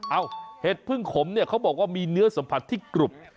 เห็ดพึ่งขมเนี่ยเขาบอกว่ามีเนื้อสัมผัสที่กรุบ